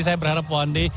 saya berharap pondi